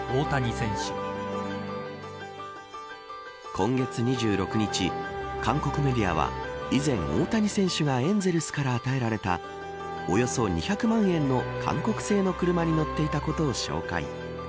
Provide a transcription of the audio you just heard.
今月２６日、韓国メディアは以前、大谷選手がエンゼルスから与えられたおよそ２００万円の韓国製の車に乗っていたことを紹介。